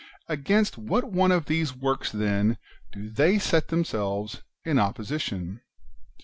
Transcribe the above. Against what one of these works, then, do they set themselves in opposition?